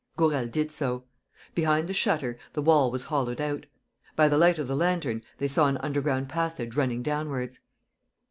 Gourel did so. Behind the shutter, the wall was hollowed out. By the light of the lantern they saw an underground passage running downwards.